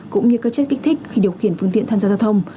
cũng như các chất kích thích khi điều khiển phương tiện tham gia giao thông